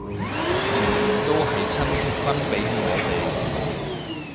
年年都係親戚分俾我哋